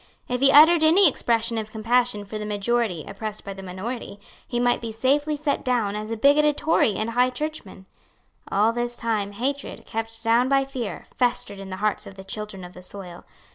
If he uttered any expression of compassion for the majority oppressed by the minority, he might be safely set down as a bigoted Tory and High Churchman. All this time hatred, kept down by fear, festered in the hearts of the children of the soil.